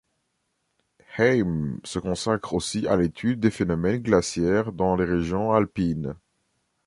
Heim se consacre aussi à l'étude des phénomènes glaciaires dans les régions alpines.